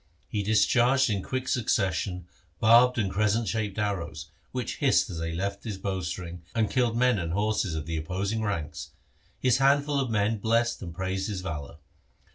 He discharged in quick succession barbed and crescent shaped arrows, which hissed as they left his bow string, and killed men and horses of the opposing ranks. His handful of men blessed and praised his valour.